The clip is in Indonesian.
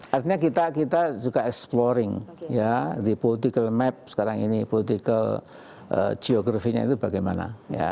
artinya kita juga exploring ya di political map sekarang ini political geografinya itu bagaimana